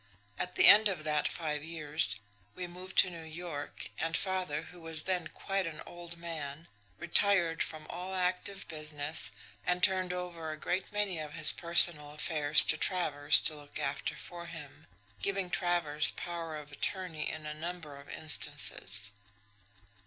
At the end of that five years, we moved to New York, and father, who was then quite an old man, retired from all active business, and turned over a great many of his personal affairs to Travers to look after for him, giving Travers power of attorney in a number of instances.